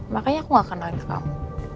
makanya aku gak kenal kamu